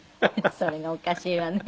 それがおかしいわね。